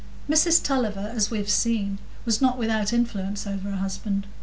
Mrs Tulliver, as we have seen, was not without influence over her husband.